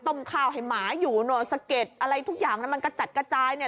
ข้าวให้หมาอยู่โนสะเก็ดอะไรทุกอย่างนะมันกระจัดกระจายเนี่ย